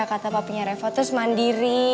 kata papinya reva terus mandiri